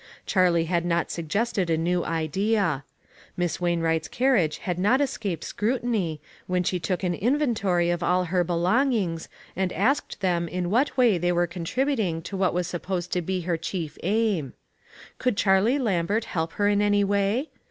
Charlie had not suggested a new idea. Miss Wainwright's carriage had not escaped scrutiny, when she took an in ventory of all her belongings, and asked them in what way they were contributing to what was supposed to be her chief aim. Could Charlie Lambert help her in any way?